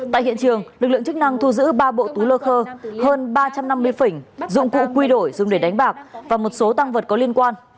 tại hiện trường lực lượng chức năng thu giữ ba bộ túi lơ khơ hơn ba trăm năm mươi phỉnh dụng cụ quy đổi dùng để đánh bạc và một số tăng vật có liên quan